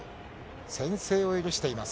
先制を許しています。